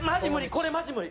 これマジ無理。